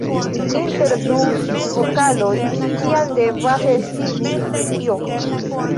Inter du vokaloj ĉiam devas esti "j".